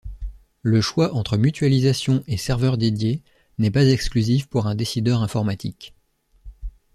Le choix entre mutualisation et serveur dédié n'est pas exclusif pour un décideur informatique.